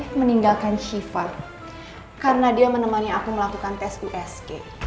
aku meninggalkan shiva karena dia menemani aku melakukan tes usg